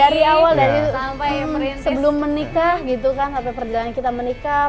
dari awal dari sebelum menikah gitu kan sampai perjalanan kita menikah